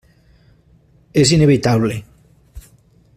És inevitable.